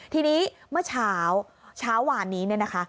ทีนี้เมื่อเช้าเช้าวานนี้เนี่ยนะคะ